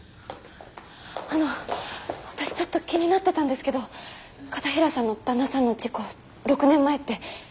あの私ちょっと気になってたんですけど片平さんの旦那さんの事故６年前って。